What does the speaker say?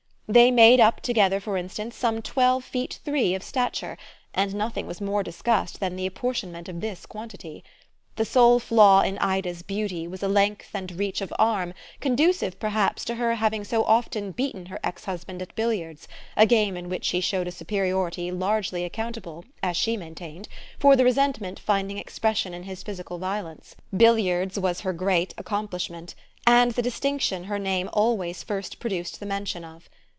They made up together for instance some twelve feet three of stature, and nothing was more discussed than the apportionment of this quantity. The sole flaw in Ida's beauty was a length and reach of arm conducive perhaps to her having so often beaten her ex husband at billiards, a game in which she showed a superiority largely accountable, as she maintained, for the resentment finding expression in his physical violence. Billiards was her great accomplishment and the distinction her name always first produced the mention of.